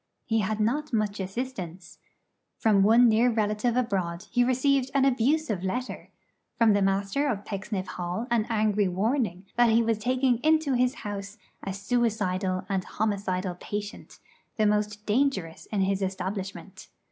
He had not much assistance. From one near relative abroad he received an abusive letter; from the Master of Pecksniff Hall an angry warning that he was taking into his house 'a suicidal and homicidal patient, the most dangerous in his establishment.'